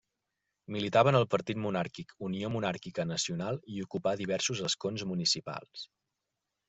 Militava en el partit monàrquic Unió Monàrquica Nacional i ocupà diversos escons municipals.